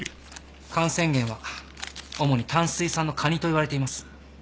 感染源は主に淡水産のカニと言われています。